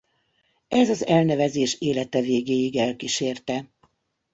Ez az elnevezés élete végéig elkísérte.